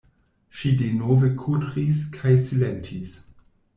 Ŝi denove kudris kaj silentis.